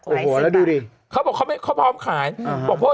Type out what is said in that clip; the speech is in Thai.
สิบตักแล้วดูดิเขาบอกเขาไม่เขาพร้อมขายอ่าบอกเพราะ